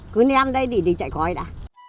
cứ ném đây đi chạy cõi đã